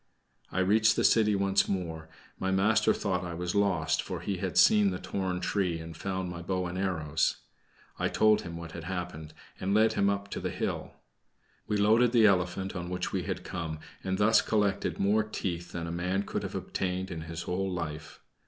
I reached the city once more; my master thought I was lost, for he had seen the torn tree, and found my bow and arrows. I told him what had happened, and led him to the hill. We loaded the elephant on which we had come, and thus collected more teeth than a man could have obtained in his whole life.